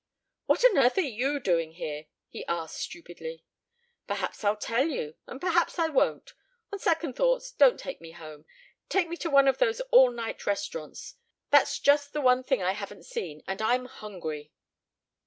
"What on earth are you doing here?" he asked stupidly. "Perhaps I'll tell you and perhaps I won't. On second thoughts don't take me home. Take me to one of those all night restaurants. That's just the one thing I haven't seen, and I'm hungry."